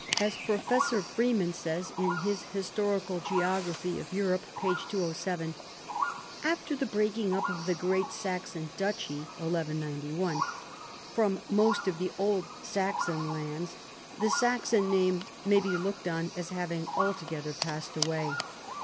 As Professor Freeman says in his Historical Geography of Europe (p. 207), " After the breaking up of the great Saxon duchy (1191), from most of the old Saxon lands the Saxon name may be looked on as having altogether passed away.